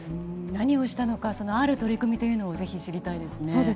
何をしたのかそのある取り組みをぜひ知りたいですね。